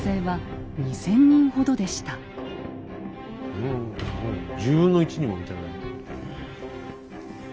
ふん１０分の１にも満たない。